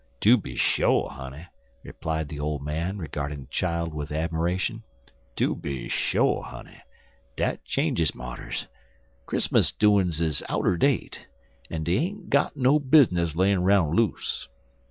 "Tooby sho, honey," replied the old man, regarding the child with admiration. "Tooby sho, honey; dat changes marters. Chris'mus doin's is outer date, en dey ain't got no bizness layin' roun' loose.